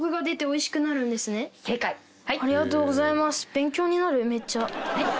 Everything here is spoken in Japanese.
勉強になるめっちゃ。